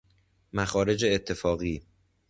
مخارج اتفاقی